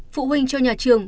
phụ huynh cho nhà trường